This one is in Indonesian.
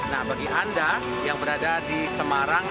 nah bagi anda yang berada di semarang